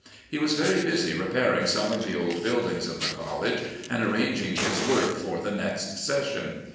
He was very busy repairing some of the old buildings of the college and arranging his work for the next session.